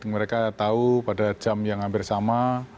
mereka tahu pada jam yang hampir sama